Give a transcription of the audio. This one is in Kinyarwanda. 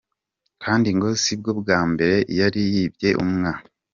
Kandi ngo sibwo bwa mbere yari yibye umwa.